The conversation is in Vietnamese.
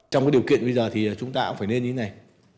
trong cái điều kiện bây giờ thì chúng ta cũng phải nên như thế này